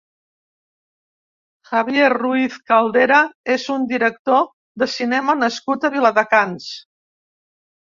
Javier Ruiz Caldera és un director de cinema nascut a Viladecans.